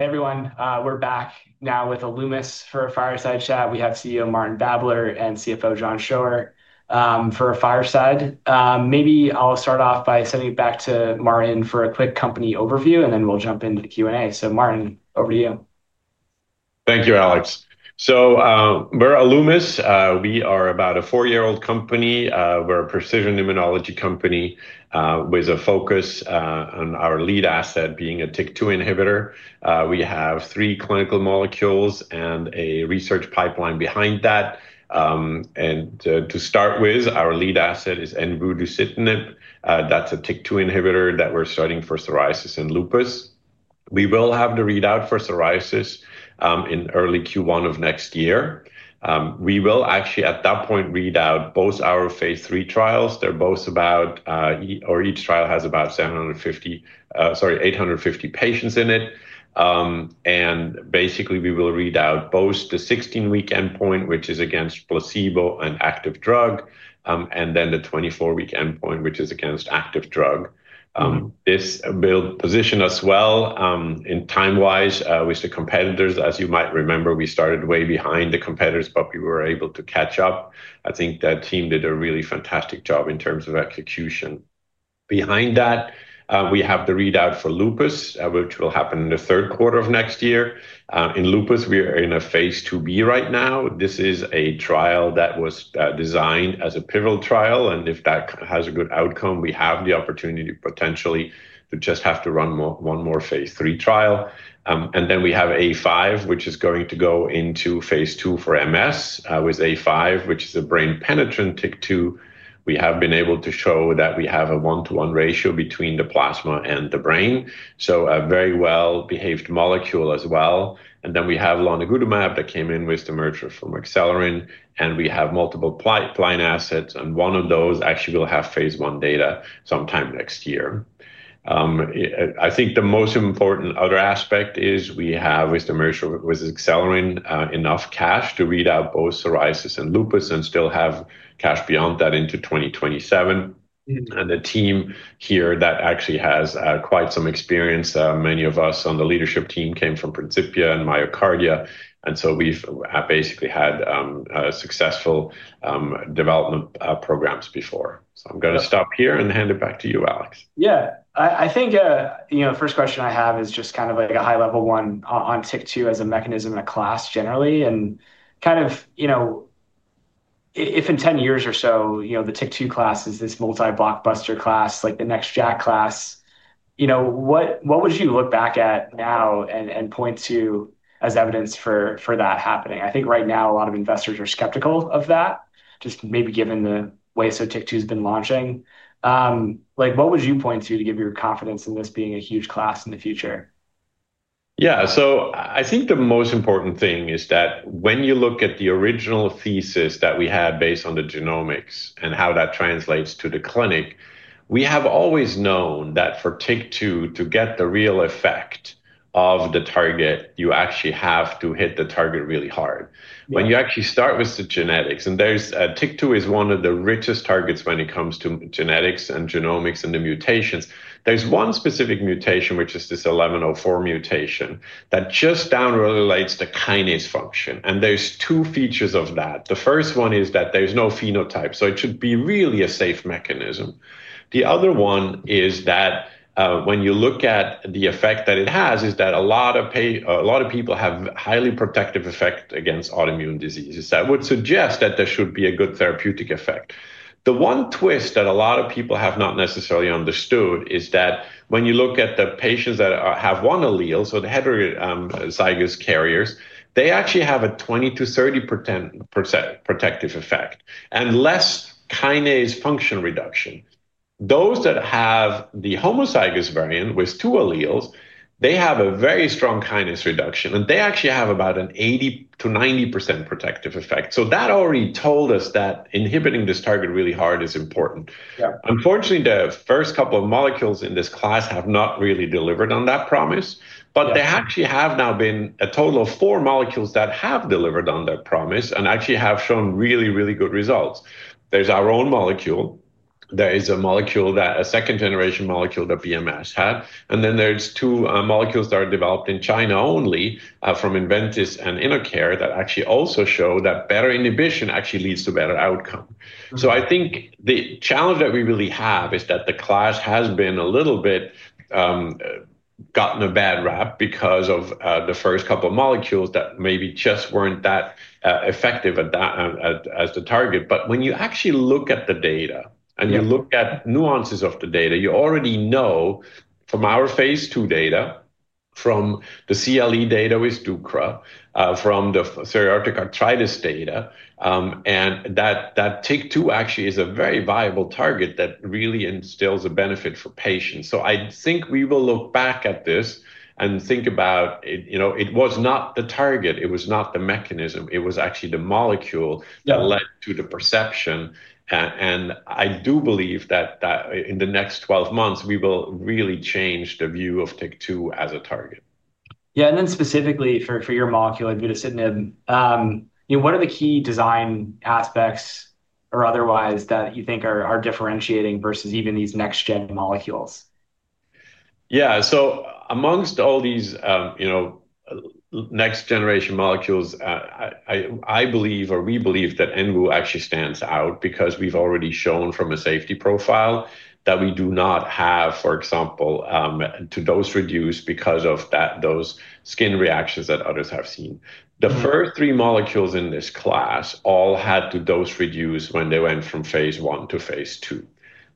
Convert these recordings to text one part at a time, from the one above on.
Hey, everyone. We're back now with Alumis for a Fireside Chat. We have CEO Martin Babler and CFO John Schroer for a Fireside. Maybe I'll start off by sending it back to Martin for a quick company overview, and then we'll jump into Q&A. Martin, over to you. Thank you, Alex. We're Alumis. We are about a four-year-old company. We're a precision immunology company, with a focus on our lead asset being a TYK2 inhibitor. We have three clinical molecules and a research pipeline behind that. To start with, our lead asset is ESK-001. That's a TYK2 inhibitor that we're studying for psoriasis and lupus. We will have the readout for psoriasis in early Q1 of next year. We will actually, at that point, read out both our phase III trials. Each trial has about 850 patients in it. We will read out both the 16-week endpoint, which is against placebo and active drug, and then the 24-week endpoint, which is against active drug. This positions us well, time-wise, with the competitors. As you might remember, we started way behind the competitors, but we were able to catch up. I think that team did a really fantastic job in terms of execution. Behind that, we have the readout for lupus, which will happen in the third quarter of next year. In lupus, we are in a phase II-B right now. This is a trial that was designed as a pivotal trial, and if that has a good outcome, we have the opportunity potentially to just have to run one more phase III trial. Then we have A-005, which is going to go into phase II for MS. A-005 is a brain-penetrant TYK2. We have been able to show that we have a one-to-one ratio between the plasma and the brain, so a very well-behaved molecule as well. Then we have lonigutamab that came in with the merger from Acceleron, and we have multiple planned assets, and one of those actually will have phase I data sometime next year. I think the most important other aspect is we have, with the merger with Acceleron, enough cash to read out both psoriasis and lupus and still have cash beyond that into 2027. The team here actually has quite some experience. Many of us on the leadership team came from Principia and MyoKardia, and we've basically had successful development programs before. I'm going to stop here and hand it back to you, Alex. Yeah, I think the first question I have is just kind of like a high-level one on TYK2 as a mechanism and a class generally. If in 10 years or so, the TYK2 class is this multi-blockbuster class, like the next JAK class what would you look back at now and point to as evidence for that happening? I think right now a lot of investors are skeptical of that, just maybe given the way TYK2 has been launching. What would you point to to give your confidence in this being a huge class in the future? Yeah, so I think the most important thing is that when you look at the original thesis that we had based on the genomics and how that translates to the clinic, we have always known that for TYK2 to get the real effect of the target, you actually have to hit the target really hard. When you actually start with the genetics, and there's a TYK2 is one of the richest targets when it comes to genetics and genomics and the mutations. There's one specific mutation, which is this 1104 mutation, that just down-regulates the kinase function. There's two features of that. The first one is that there's no phenotype, so it should be really a safe mechanism. The other one is that when you look at the effect that it has, a lot of people have highly protective effects against autoimmune diseases. That would suggest that there should be a good therapeutic effect. The one twist that a lot of people have not necessarily understood is that when you look at the patients that have one allele, so the heterozygous carriers, they actually have a 20%-30% protective effect and less kinase function reduction. Those that have the homozygous variant with two alleles, they have a very strong kinase reduction, and they actually have about an 80%-90% protective effect. That already told us that inhibiting this target really hard is important. Unfortunately, the first couple of molecules in this class have not really delivered on that promise, but there actually have now been a total of four molecules that have delivered on that promise and actually have shown really, really good results. There's our own molecule. There is a molecule that a second-generation molecule that Bristol Myers Squibb had, and then there's two molecules that are developed in China only from Incyte and InnoCare that actually also show that better inhibition actually leads to a better outcome. I think the challenge that we really have is that the class has been a little bit, gotten a bad rap because of the first couple of molecules that maybe just weren't that effective at that as the target. When you actually look at the data and you look at nuances of the data, you already know from our phase II data, from the CLE data with DUCKRA, from the psoriatic arthritis data, and that TYK2 actually is a very viable target that really instills a benefit for patients. I think we will look back at this and think about, you know, it was not the target, it was not the mechanism, it was actually the molecule that led to the perception. I do believe that in the next 12 months, we will really change the view of TYK2 as a target. Yeah, specifically for your molecule, like DUCKRA, what are the key design aspects or otherwise that you think are differentiating versus even these next-gen molecules? Yeah, so amongst all these next-generation molecules, I believe, or we believe that ESK-001 actually stands out because we've already shown from a safety profile that we do not have, for example, to dose reduce because of those skin reactions that others have seen. The first three molecules in this class all had to dose reduce when they went from phase 1 to phase II.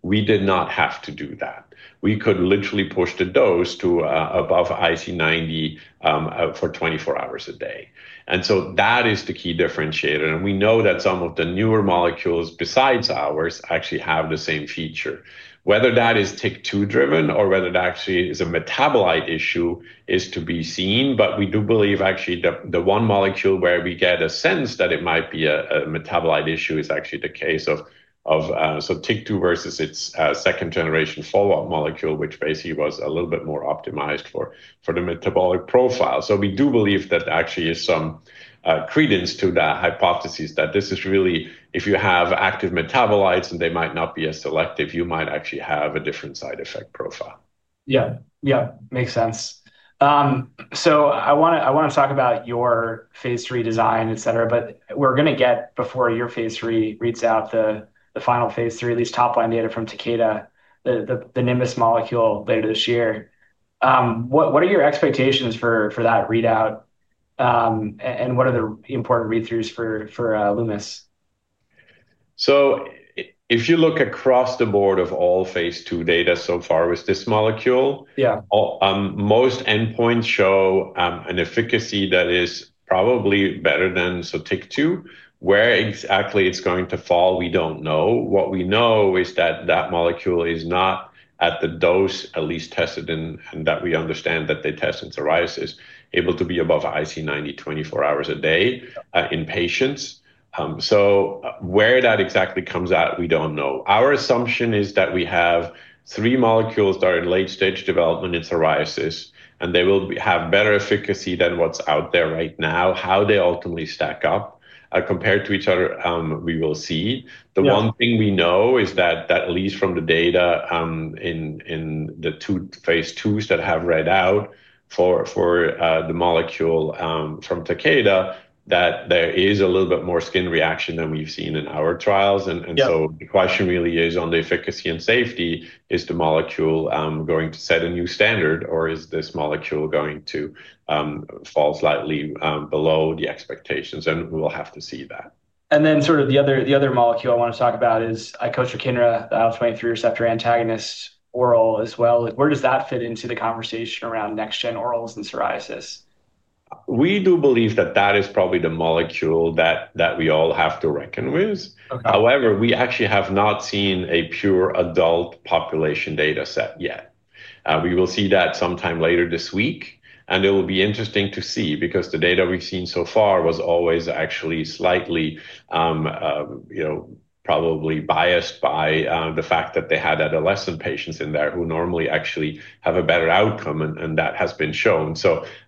We did not have to do that. We could literally push the dose to above IC90, for 24 hours a day. That is the key differentiator. We know that some of the newer molecules besides ours actually have the same feature. Whether that is TYK2 driven or whether that actually is a metabolite issue is to be seen, but we do believe actually the one molecule where we get a sense that it might be a metabolite issue is actually the case of, of, so TYK2 versus its second-generation follow-up molecule, which basically was a little bit more optimized for the metabolic profile. We do believe that actually is some credence to that hypothesis that this is really, if you have active metabolites and they might not be as selective, you might actually have a different side effect profile. Yeah, yeah, makes sense. I want to talk about your phase III design, et cetera, but we're going to get, before your phase II reads out, the final phase III, at least top-line data from Takeda, the NIMUS molecule, later this year. What are your expectations for that readout? And what are the important read-throughs for Alumis? If you look across the board of all phase II data so far with this molecule, most endpoints show an efficacy that is probably better than TYK2. Where exactly it's going to fall, we don't know. What we know is that that molecule is not at the dose at least tested in, and that we understand that they test in psoriasis, able to be above IC90 24 hours a day in patients. Where that exactly comes at, we don't know. Our assumption is that we have three molecules that are in late-stage development in psoriasis, and they will have better efficacy than what's out there right now. How they ultimately stack up compared to each other, we will see. The one thing we know is that, at least from the data, in the two phase IIs that have read out for the molecule from Takeda, there is a little bit more skin reaction than we've seen in our trials. The question really is on the efficacy and safety, is the molecule going to set a new standard, or is this molecule going to fall slightly below the expectations? We'll have to see that. The other molecule I want to talk about is ixekizumab, the IL-23 receptor antagonist, oral as well. Where does that fit into the conversation around next-gen orals and psoriasis? We do believe that that is probably the molecule that we all have to reckon with. However, we actually have not seen a pure adult population data set yet. We will see that sometime later this week, and it will be interesting to see because the data we've seen so far was always actually slightly, you know, probably biased by the fact that they had adolescent patients in there who normally actually have a better outcome, and that has been shown.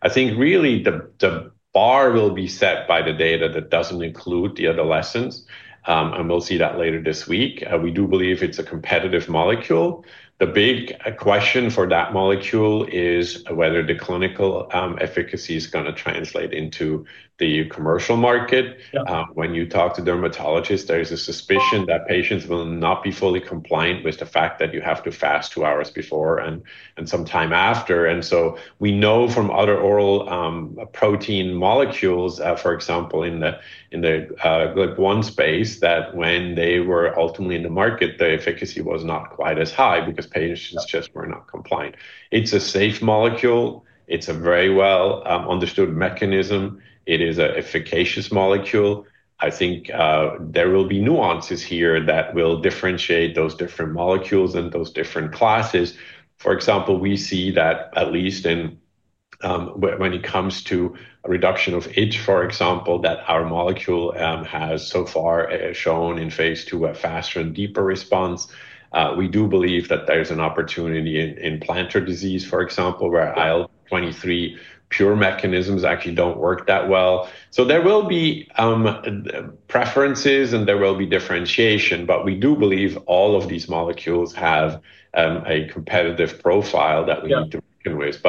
I think really the bar will be set by the data that doesn't include the adolescents, and we'll see that later this week. We do believe it's a competitive molecule. The big question for that molecule is whether the clinical efficacy is going to translate into the commercial market. When you talk to dermatologists, there is a suspicion that patients will not be fully compliant with the fact that you have to fast two hours before and sometime after. We know from other oral protein molecules, for example, in the GLP-1 space, that when they were ultimately in the market, the efficacy was not quite as high because patients just were not compliant. It's a safe molecule. It's a very well understood mechanism. It is an efficacious molecule. I think there will be nuances here that will differentiate those different molecules and those different classes. For example, we see that at least in when it comes to a reduction of itch, for example, that our molecule has so far shown in phase II a faster and deeper response. We do believe that there's an opportunity in plantar disease, for example, where IL-23 pure mechanisms actually don't work that well. There will be preferences and there will be differentiation, but we do believe all of these molecules have a competitive profile that we need to reckon with.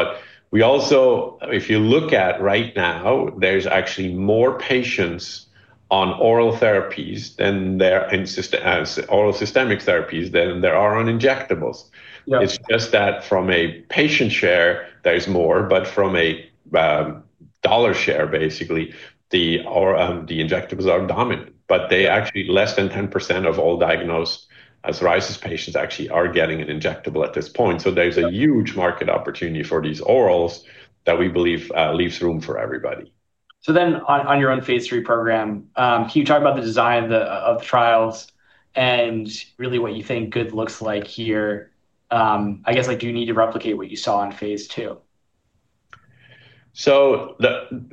Also, if you look at right now, there's actually more patients on oral therapies than there are on oral systemic therapies than there are on injectables. It's just that from a patient share, there's more, but from a dollar share, basically, the injectables are dominant. They actually, less than 10% of all diagnosed psoriasis patients actually are getting an injectable at this point. There's a huge market opportunity for these orals that we believe leaves room for everybody. On your own phase III program, can you talk about the design of the trials and really what you think good looks like here? I guess, like, do you need to replicate what you saw in phase II?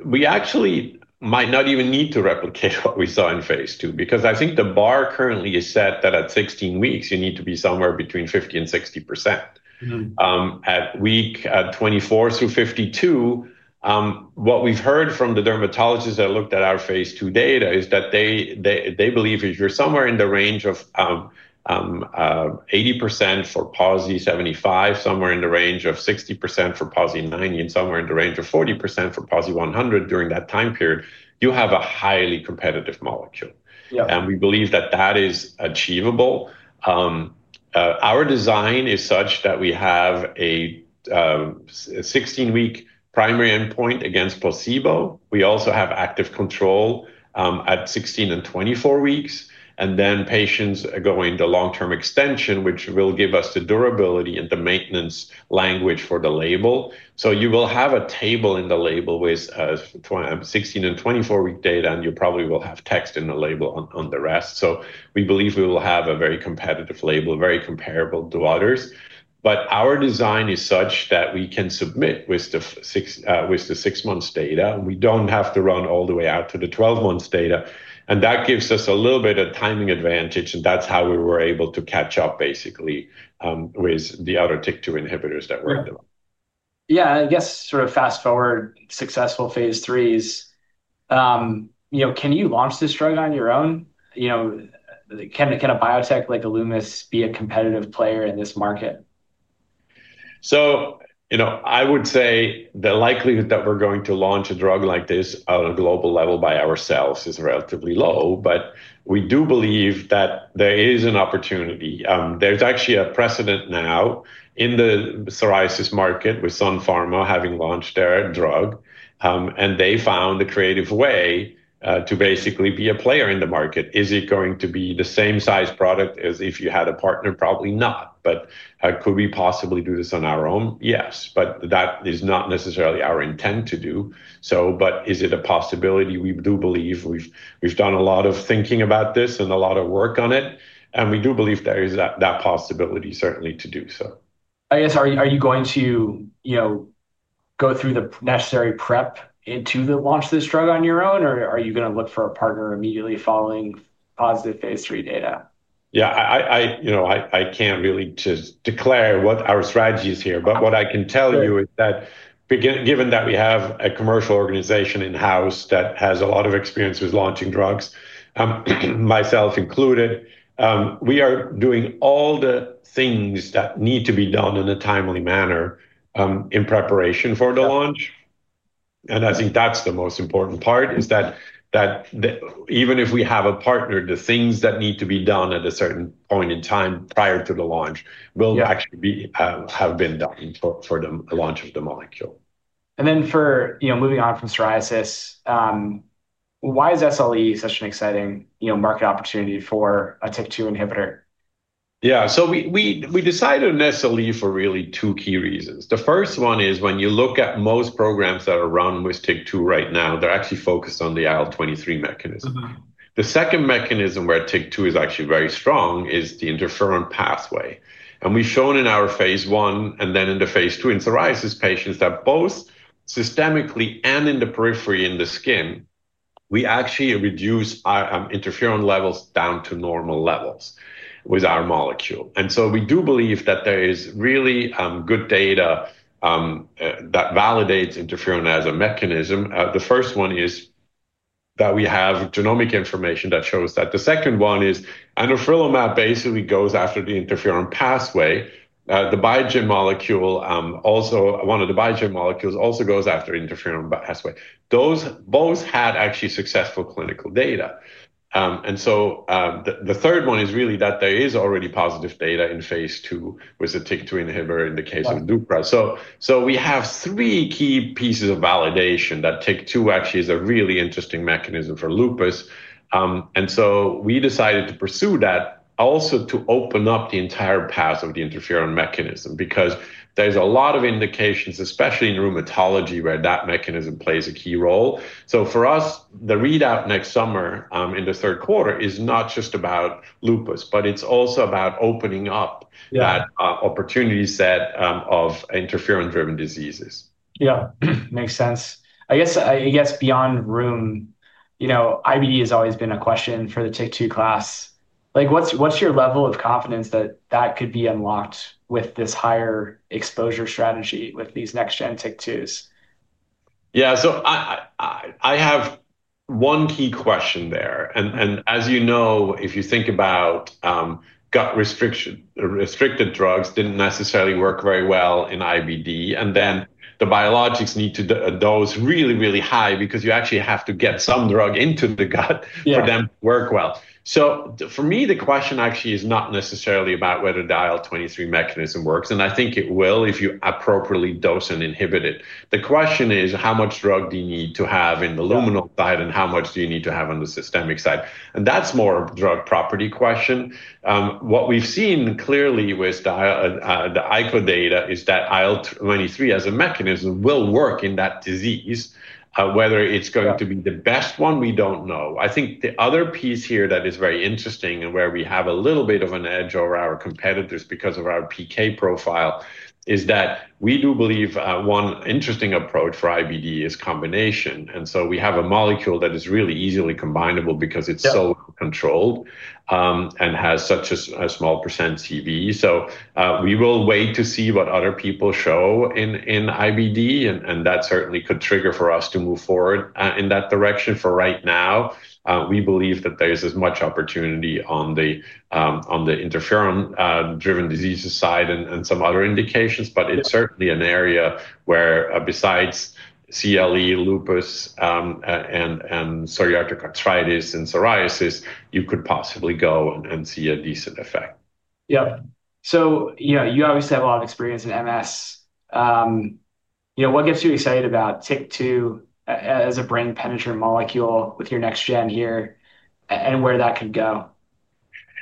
We actually might not even need to replicate what we saw in phase II because I think the bar currently is set that at 16 weeks, you need to be somewhere between 50% and 60%. At week 24 through 52, what we've heard from the dermatologists that looked at our phase II data is that they believe if you're somewhere in the range of 80% for PASI 75, somewhere in the range of 60% for PASI 90, and somewhere in the range of 40% for PASI 100 during that time period, you have a highly competitive molecule. We believe that that is achievable. Our design is such that we have a 16-week primary endpoint against placebo. We also have active control at 16 and 24 weeks, and then patients go into long-term extension, which will give us the durability and the maintenance language for the label. You will have a table in the label with 16- and 24-week data, and you probably will have text in the label on the rest. We believe we will have a very competitive label, very comparable to others. Our design is such that we can submit with the six months data. We don't have to run all the way out to the 12 months data, and that gives us a little bit of timing advantage. That's how we were able to catch up, basically, with the other TYK2 inhibitors that were in the market. Yeah, I guess sort of fast forward successful phase IIIs, you know, can you launch this drug on your own? You know, can a biotech like Alumis be a competitive player in this market? I would say the likelihood that we're going to launch a drug like this on a global level by ourselves is relatively low, but we do believe that there is an opportunity. There's actually a precedent now in the psoriasis market with Sun Pharma having launched their drug, and they found a creative way to basically be a player in the market. Is it going to be the same size product as if you had a partner? Probably not. Could we possibly do this on our own? Yes, that is not necessarily our intent to do so. Is it a possibility? We do believe we've done a lot of thinking about this and a lot of work on it, and we do believe there is that possibility certainly to do so. Are you going to, you know, go through the necessary prep to launch this drug on your own, or are you going to look for a partner immediately following positive phase III data? I can't really just declare what our strategy is here, but what I can tell you is that given that we have a commercial organization in-house that has a lot of experience with launching drugs, myself included, we are doing all the things that need to be done in a timely manner, in preparation for the launch. I think that's the most important part, that even if we have a partner, the things that need to be done at a certain point in time prior to the launch will actually have been done for the launch of the molecule. For, you know, moving on from psoriasis, why is SLE such an exciting, you know, market opportunity for a TYK2 inhibitor? Yeah, so we decided on SLE for really two key reasons. The first one is when you look at most programs that are run with TYK2 right now, they're actually focused on the IL-23 mechanism. The second mechanism where TYK2 is actually very strong is the interferon pathway. We've shown in our phase I and then in the phase II in psoriasis patients that both systemically and in the periphery in the skin, we actually reduce interferon levels down to normal levels with our molecule. We do believe that there is really good data that validates interferon as a mechanism. The first one is that we have genomic information that shows that. The second one is enofrilimab basically goes after the interferon pathway. The Biogen molecule, also, one of the Biogen molecules also goes after the interferon pathway. Those both had actually successful clinical data. The third one is really that there is already positive data in phase II with the TYK2 inhibitor in the case of deucravacitinib. We have three key pieces of validation that TYK2 actually is a really interesting mechanism for lupus. We decided to pursue that also to open up the entire path of the interferon mechanism because there's a lot of indications, especially in rheumatology, where that mechanism plays a key role. For us, the readout next summer, in the third quarter, is not just about lupus, but it's also about opening up that opportunity set of interferon-driven diseases. Yeah, makes sense. I guess beyond room, you know, IB has always been a question for the TYK2 class. What's your level of confidence that that could be unlocked with this higher exposure strategy with these next-gen TYK2s? Yeah, so I have one key question there. As you know, if you think about gut restriction, restricted drugs didn't necessarily work very well in IBD. The biologics need to dose really, really high because you actually have to get some drug into the gut for them to work well. For me, the question actually is not necessarily about whether the IL-23 mechanism works, and I think it will if you appropriately dose and inhibit it. The question is how much drug do you need to have in the luminal side and how much do you need to have on the systemic side. That's more a drug property question. What we've seen clearly with the IC90 data is that IL-23 as a mechanism will work in that disease. Whether it's going to be the best one, we don't know. I think the other piece here that is very interesting and where we have a little bit of an edge over our competitors because of our PK profile is that we do believe one interesting approach for IBD is combination. We have a molecule that is really easily combinable because it's so controlled, and has such a small % CV. We will wait to see what other people show in IBD, and that certainly could trigger for us to move forward in that direction. For right now, we believe that there's as much opportunity on the interferon-driven diseases side and some other indications, but it's certainly an area where, besides CLE, lupus, and psoriatic arthritis and psoriasis, you could possibly go and see a decent effect. You obviously have a lot of experience in MS. You know, what gets you excited about TYK2 as a brain-penetrant molecule with your next gen here and where that could go?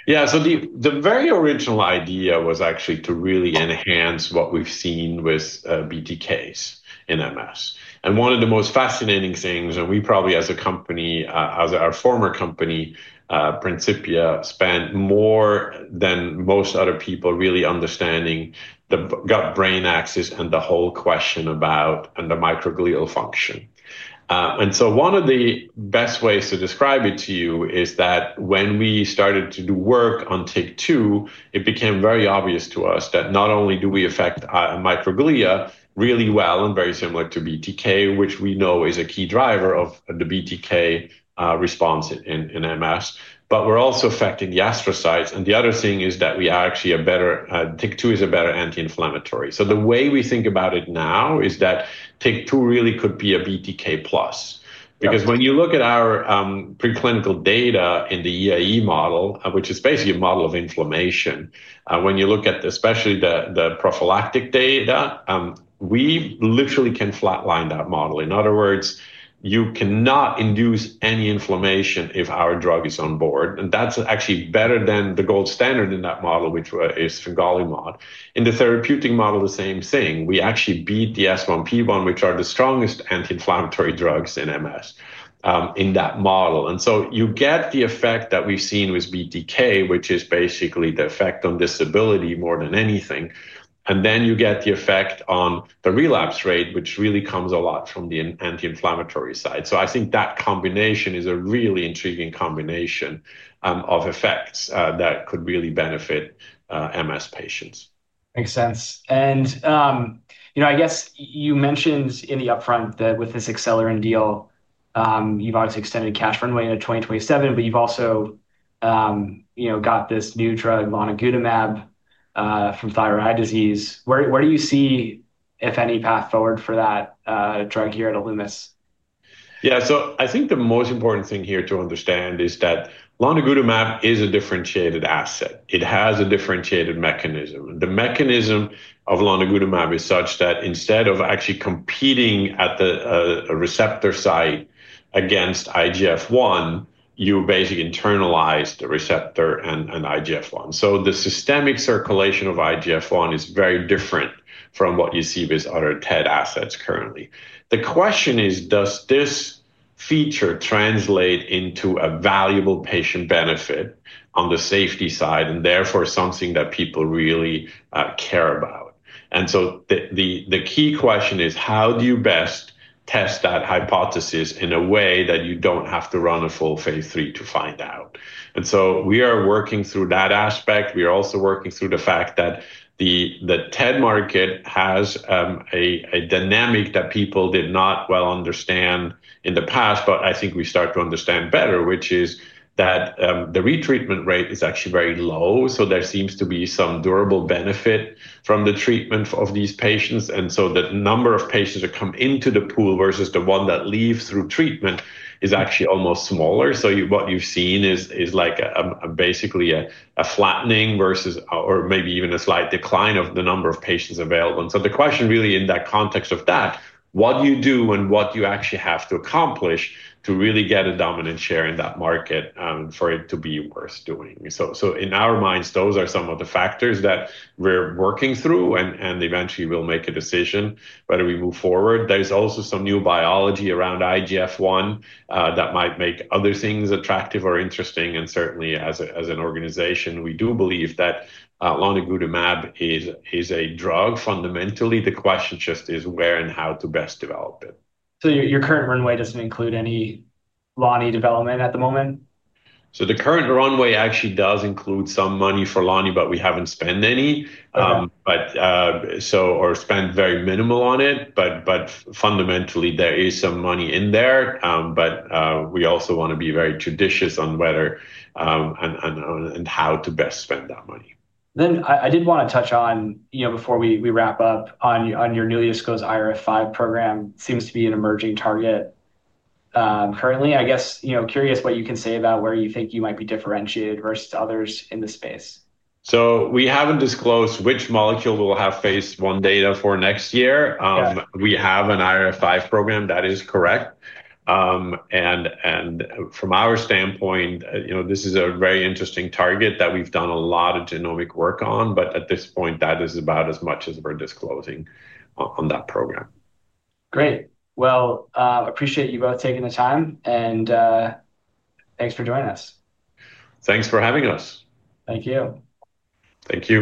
Yeah, so the very original idea was actually to really enhance what we've seen with BTKs in MS. One of the most fascinating things, and we probably as a company, as our former company, Principia, spent more than most other people really understanding the gut-brain axis and the whole question about the microglial function. One of the best ways to describe it to you is that when we started to do work on TYK2, it became very obvious to us that not only do we affect microglia really well and very similar to BTK, which we know is a key driver of the BTK response in MS, but we're also affecting the astrocytes. The other thing is that we are actually a better, TYK2 is a better anti-inflammatory. The way we think about it now is that TYK2 really could be a BTK plus. Because when you look at our preclinical data in the EAE model, which is basically a model of inflammation, when you look at especially the prophylactic data, we literally can flatline that model. In other words, you cannot induce any inflammation if our drug is on board. That's actually better than the gold standard in that model, which is [Sengalimod] In the therapeutic model, the same thing. We actually beat the S1P1, which are the strongest anti-inflammatory drugs in MS, in that model. You get the effect that we've seen with BTK, which is basically the effect on disability more than anything. Then you get the effect on the relapse rate, which really comes a lot from the anti-inflammatory side. I think that combination is a really intriguing combination of effects that could really benefit MS patients. Makes sense. You mentioned in the upfront that with this Acceleron deal, you've obviously extended cash runway into 2027, but you've also got this new drug lonigutamab for thyroid eye disease. Where do you see, if any, path forward for that drug here at Alumis? Yeah, so I think the most important thing here to understand is that lonigutamab is a differentiated asset. It has a differentiated mechanism. The mechanism of lonigutamab is such that instead of actually competing at the receptor site against IGF-1, you basically internalize the receptor and IGF-1. The systemic circulation of IGF-1 is very different from what you see with other TED assets currently. The question is, does this feature translate into a valuable patient benefit on the safety side and therefore something that people really care about? The key question is, how do you best test that hypothesis in a way that you don't have to run a full phase III to find out? We are working through that aspect. We are also working through the fact that the TED market has a dynamic that people did not well understand in the past, but I think we start to understand better, which is that the re-treatment rate is actually very low. There seems to be some durable benefit from the treatment of these patients. The number of patients that come into the pool versus the one that leaves through treatment is actually almost smaller. What you've seen is basically a flattening or maybe even a slight decline of the number of patients available. The question really in that context is, what do you do and what do you actually have to accomplish to really get a dominant share in that market for it to be worth doing? In our minds, those are some of the factors that we're working through and eventually we'll make a decision whether we move forward. There's also some new biology around IGF-1 that might make other things attractive or interesting. Certainly, as an organization, we do believe that lonigutamab is a drug. Fundamentally, the question just is where and how to best develop it. Your current runway doesn't include any lonigutamab development at the moment? The current runway actually does include some money for (LONI), but we haven't spent any, or spent very minimal on it. Fundamentally, there is some money in there. We also want to be very judicious on whether, and how to best spend that money. I did want to touch on, you know, before we wrap up on your newly disclosed IRF5 program, it seems to be an emerging target, currently. I guess, you know, curious what you can say about where you think you might be differentiated versus others in the space. We haven't disclosed which molecule we'll have phase I data for next year. We have an IRF5 program, that is correct. From our standpoint, this is a very interesting target that we've done a lot of genomic work on, but at this point, that is about as much as we're disclosing on that program. Great. I appreciate you both taking the time, and thanks for joining us. Thanks for having us. Thank you. Thank you.